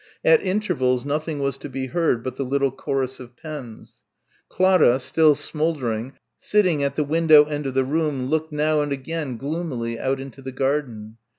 At intervals nothing was to be heard but the little chorus of pens. Clara, still smouldering, sitting at the window end of the room looked now and again gloomily out into the garden.